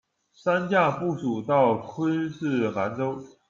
三架部署到昆士兰州。